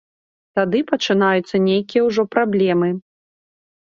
Тады пачынаюцца нейкія ўжо праблемы.